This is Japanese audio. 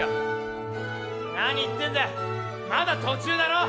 何言ってんだよまだ途中だろ？